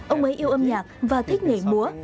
ông ấy yêu âm nhạc và thích nghề múa